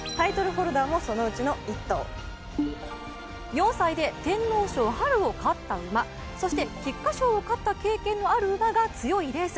４歳で天皇賞・春を勝った馬そして菊花賞を勝った経験のある馬が強いレース。